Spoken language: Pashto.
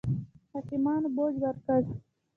حاکمانو باج ورکړي.